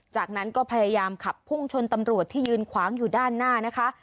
จากนั้นก็พยายามขับพุ่งชนตำรวจที่ยืนขวางอยู่ด้านหน้านะคะ